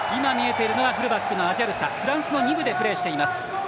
フルバックのアジャルサフランスの２部でプレーしています。